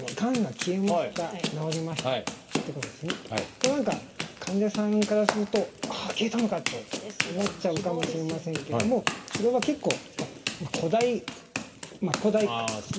これは何か患者さんからするとああ消えたのか！と思っちゃうかもしれませんけどもこれは結構誇大誇大広告ですかね。